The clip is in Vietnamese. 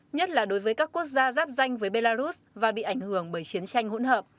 nhất là đối với các quốc gia giáp danh với belarus và bị ảnh hưởng bởi chiến tranh hỗn hợp